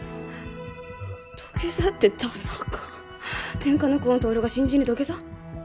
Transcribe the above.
土下座ってダサか天下の久遠徹が新人に土下座？